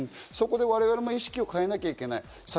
我々も意識を変えなきゃいけない。